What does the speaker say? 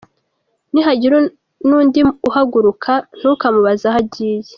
Nihagira n’undi uhaguruka ntukamubaze aho agiye;.